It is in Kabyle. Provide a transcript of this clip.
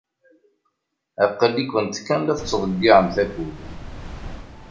Aql-ikent kan la tettḍeyyiɛemt akud.